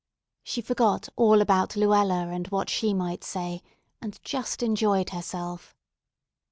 She forgot all about Luella and what she might say, and just enjoyed herself.